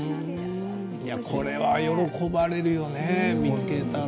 これは喜ばれるよね見つけたら。